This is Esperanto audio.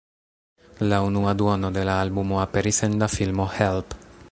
La unua duono de la albumo aperis en la filmo "Help!